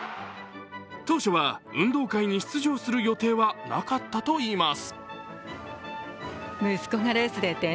当初は運動会に出場する予定はなかったといいます。